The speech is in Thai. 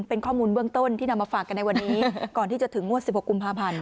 เป็นข้อมูลเบื้องต้นที่นำมาฝากกันในวันนี้ก่อนที่จะถึงงวด๑๖กุมภาพันธ์